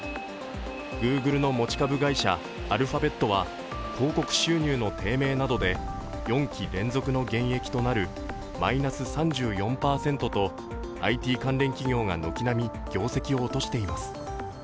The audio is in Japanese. Ｇｏｏｇｌｅの持ち株会社・アルファベットは広告収入の低迷などで４期連続の減益となるマイナス３４％とＩＴ関連企業が軒並み、業績を落としています。